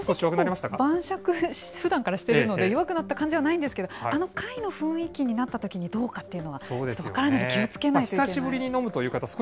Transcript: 私、晩酌ふだんからしてるので、弱くなった感じはないんですけど、あの会の雰囲気になったときに、どうかっていうのは、ちょっと分からないので、気をつけないとな。